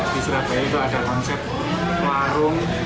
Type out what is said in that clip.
di surabaya itu ada konsep warung